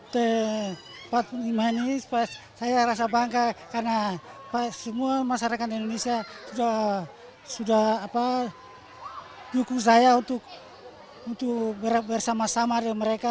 terima kasih saya rasa bangga karena semua masyarakat indonesia sudah dukung saya untuk bersama sama dengan mereka